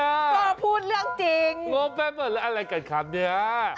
เออพูดเรื่องจริงงบแป๊บแล้วอะไรกันครับเนี่ย